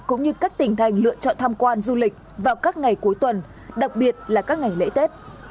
cũng như các tỉnh thành lựa chọn tham quan du lịch vào các ngày cuối tuần đặc biệt là các ngày lễ tết